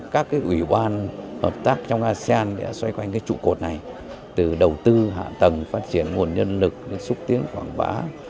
các ủy ban hợp tác trong asean đã xoay quanh trụ cột này từ đầu tư hạ tầng phát triển nguồn nhân lực xúc tiến quảng bá